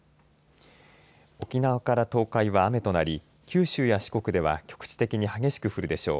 沖縄から東海は雨となり九州や四国では局地的に激しく降るでしょう。